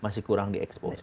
masih kurang diexposed